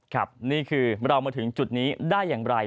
ครับนี่คือเรามาถึงจุดนี้ได้อย่างไร